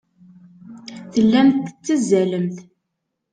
Tellamt tettazzalemt.